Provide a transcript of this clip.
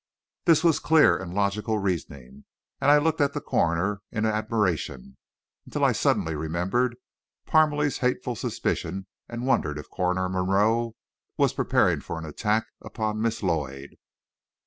This was clear and logical reasoning, and I looked at the coroner in admiration, until I suddenly remembered Parmalee's hateful suspicion and wondered if Coroner Monroe was preparing for an attack upon Miss Lloyd.